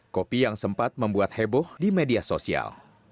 kopi yang sempat membuat heboh di media sosial